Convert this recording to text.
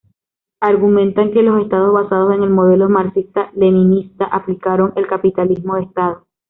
Argumentan que los Estados basados en el modelo marxista-leninista aplicaron el capitalismo de Estado.